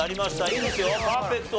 いいですよパーフェクト。